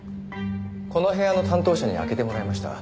この部屋の担当者に開けてもらいました。